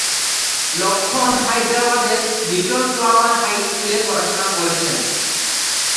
লক্ষ্মণ হায়দরাবাদের little flower high স্কুলে পড়াশোনা করেছেন।